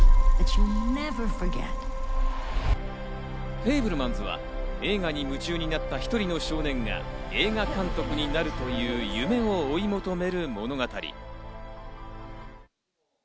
『フェイブルマンズ』は映画に夢中になった１人の少年が映画監督になるという夢を追い求める物語。